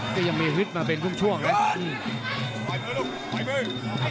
ก็ยังมีฮิศมาเป็นลมช่วงเลยครับ